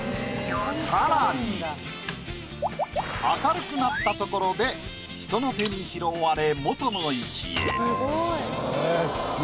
さらに明るくなったところで人の手に拾われ元の位置へ。